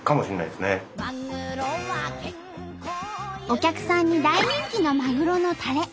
お客さんに大人気のまぐろのたれ。